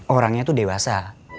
orangnya tuh dewasa